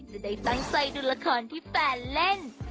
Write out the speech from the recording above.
จะได้ตั้งใจดูละครที่แฟนเล่น